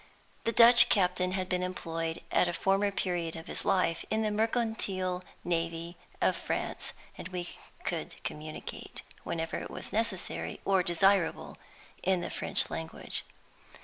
The Dutch captain had been employed, at a former period of his life, in the mercantile navy of France; and we could communicate, whenever it was necessary or desirable, in the French language.